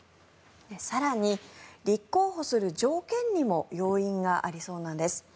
更に、立候補する条件にも要因がありそうなんです。